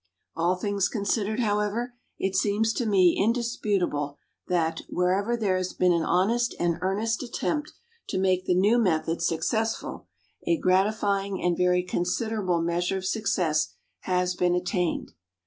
All things considered, however, it seems to me indisputable that, wherever there has been an honest and earnest attempt to make the new methods successful, a gratifying and very considerable measure of success has been attained.